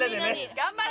頑張れ！